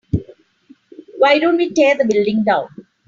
why don't we tear the building down?